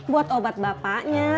buat obat bapaknya